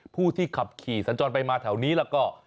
ผู้ที่ขับขี่สัญจรไปมาแถวนี้แล้วก็